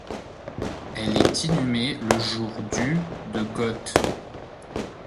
Elle est inhumée le jour du de Goethe.